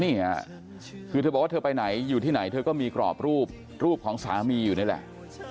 นี่ค่ะคือเธอบอกว่าเธอไปไหนอยู่ที่ไหนเธอก็มีกรอบรูปรูปของสามีอยู่นี่แหละ